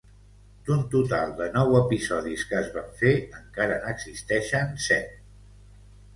D'un total de nou episodis que es van fer, encara n'existeixen set.